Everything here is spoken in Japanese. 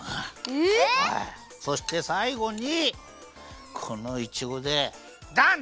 そしてさいごにこのいちごでダン！